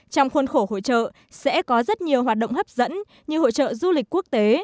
trong khuôn khổ hội trợ sẽ có rất nhiều hoạt động hấp dẫn như hội trợ du lịch quốc tế